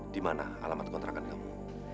dimana alamat kontrakan kamu